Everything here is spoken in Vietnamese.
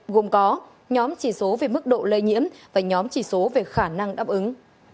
gồm có nhóm chỉ số về mức độ lây nhiễm và nhóm chỉ số về khả năng đáp ứng